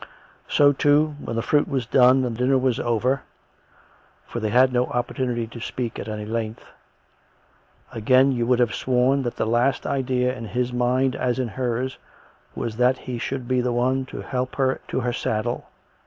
So, too, when the fruit was done and dinner was over 58 COME RACK! COME ROPE! (for they had no opportunity to speak at any length), again you would have srworn that the last idea in his mind, as in hers, was that he should be the one to help her to her saddle.